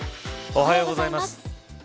おはようございます。